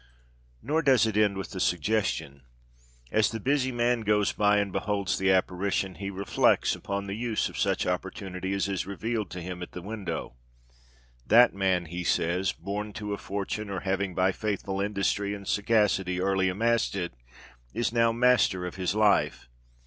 Nor does it end with the suggestion. As the busy man goes by and beholds the apparition, he reflects upon the use of such opportunity as is revealed to him at the window. That man, he says, born to a fortune, or having by faithful industry and sagacity early amassed it, is now master of his life.